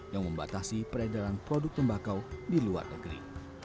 yang membatasi peredaran produk tembakau di luar negeri